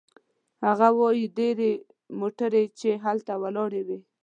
هغه وايي: "ډېرې موټرې چې هلته ولاړې وې